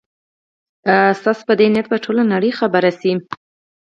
ستاسي په دې نیت به ټوله نړۍ خبره شي.